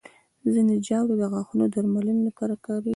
ځینې ژاولې د غاښونو درملنې لپاره کارېږي.